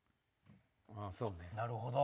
なるほど！